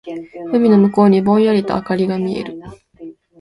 海の向こうにぼんやりと灯りが見える。